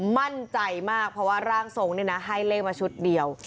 มั่นใจมากเพราะว่าร่างทรงให้เลขมาชุดเดียว